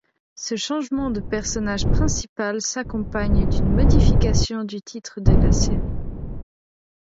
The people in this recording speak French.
Ce changement de personnage principal s'accompagne d'une modification du titre de la série.